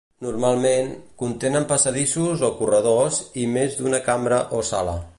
Normalment, contenen passadissos o corredors i més d'una cambra o sala.